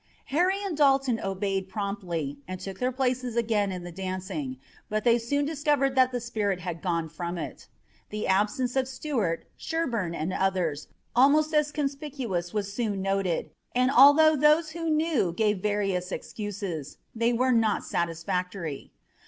Harry and Dalton obeyed promptly, and took their places again in the dancing, but they soon discovered that the spirit was gone from it. The absence of Stuart, Sherburne and others almost as conspicuous was soon noted, and although those who knew gave various excuses, they were not satisfactory.